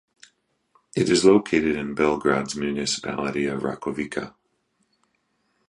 It is located in Belgrade's municipality of Rakovica.